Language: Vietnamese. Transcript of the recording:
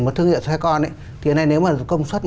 một thương hiệu xe con thì hiện nay nếu mà công suất